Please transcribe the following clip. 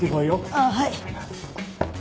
ああはい。